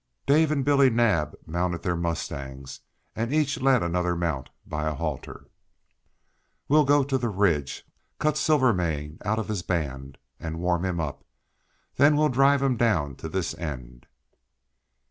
Dave and Billy Naab mounted their mustangs, and each led another mount by a halter. "We'll go to the ridge, cut Silvermane out of his band and warm him up; then we'll drive him down to this end."